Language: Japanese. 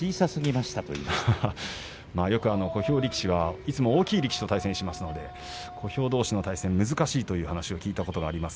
小兵力士はいつも大きい力士と対戦しますので小兵どうしの対戦は難しいと聞いたことあります。